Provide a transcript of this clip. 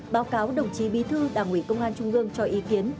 báo cáo đồng chí bí thư đảng ủy công an trung ương cho ý kiến